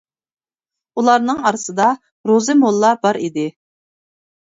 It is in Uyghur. ئۇلارنىڭ ئارىسىدا روزى موللا بار ئىدى.